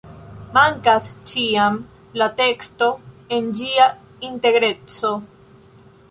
Mankas ĉiam la teksto en ĝia integreco.